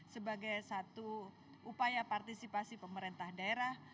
sebagai satu upaya partisipasi pemerintah daerah